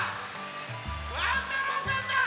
ワン太郎さんだ！